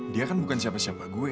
dia kan bukan siapa siapa gue